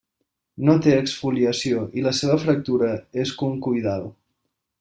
No té exfoliació i la seva fractura és concoidal.